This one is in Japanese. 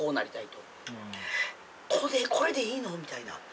これでいいの？みたいな。